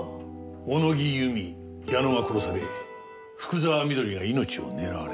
小野木由美矢野が殺され福沢美登里が命を狙われた。